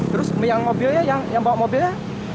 terus yang bawa mobilnya